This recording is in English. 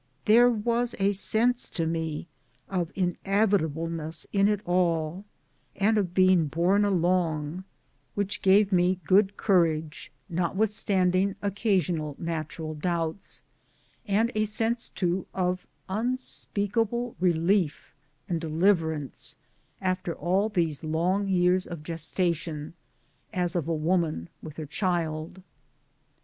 There was a sense to me of inevitableness in it all, and of being borne along, which gave me good io8 MY DAYS AND DREAMS courage, notwithstanding occasional natural doubts and a sense too of unspeakable relief and deliver ance, after all those long years of gestation, as of a woman with her child.